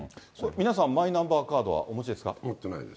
皆さん、マイナンバーカードはお持ちですか？